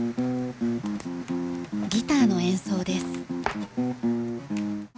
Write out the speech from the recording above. ギターの演奏です。